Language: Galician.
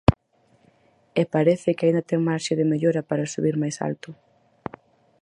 E parece que aínda ten marxe de mellora para subir máis alto.